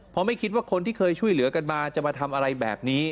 เพราะไม่คิดว่าคนที่เคยช่วยเหลือกันมาจะมาทำอะไรแบบนี้